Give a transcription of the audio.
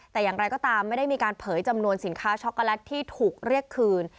แต่อย่างไรก็ตามไม่ได้มีการเผยจำนวนสินค้าช็อกโกแลตที่ถูกเรียกคืน